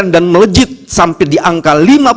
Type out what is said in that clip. dan melejit sampai di angka lima puluh satu delapan